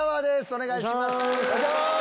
お願いします。